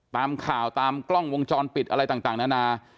ตามข่าวตามกล้องวงจรปิดอะไรต่างนานา